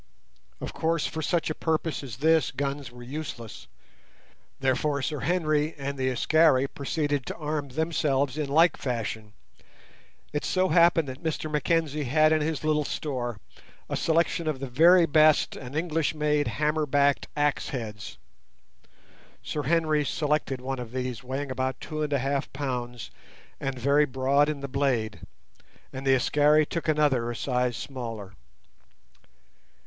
Of course, for such a purpose as this guns were useless. Therefore Sir Henry and the Askari proceeded to arm themselves in like fashion. It so happened that Mr Mackenzie had in his little store a selection of the very best and English made hammer backed axe heads. Sir Henry selected one of these weighing about two and a half pounds and very broad in the blade, and the Askari took another a size smaller.